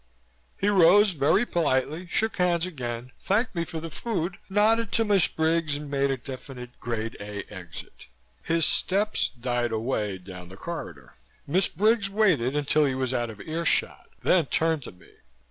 He rose, very politely, shook hands again, thanked me for the food, nodded to Miss Briggs and made a definitely Grade A exit. His steps died away down the corridor. Miss Briggs waited until he was out of earshot then turned to me.